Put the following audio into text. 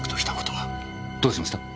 どうしました？